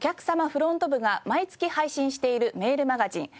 フロント部が毎月配信しているメールマガジンｔｏｕｃｈ！